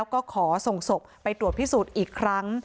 ก็ขอส่งศพไปตรวจพิสูจน์อีกครั้ง